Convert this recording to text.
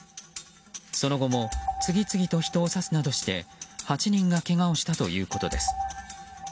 その後も次々と人を刺すなどして８人がけがをしたということです。